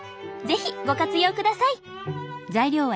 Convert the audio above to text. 是非ご活用ください。